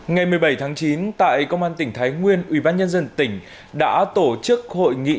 ngày một mươi bảy tháng chín tại công an tỉnh thái nguyên ubnd tỉnh đã tổ chức hội nghị